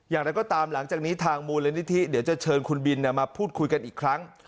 อย่างไรก็ตามหลังจากนี้ทางมูลนิธิเดี๋ยวจะเชิญคุณบินมาพูดคุยกันอีกครั้ง